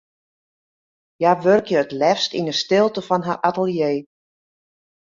Hja wurke it leafst yn 'e stilte fan har atelier.